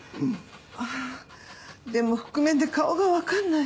ああでも覆面で顔がわからない。